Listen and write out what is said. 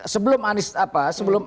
sebelum anis apa sebelum